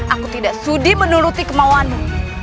aku tidak sudi menuruti kemauanmu